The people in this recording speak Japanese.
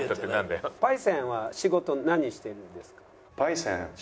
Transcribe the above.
「パイセンは仕事何してるんですか？」。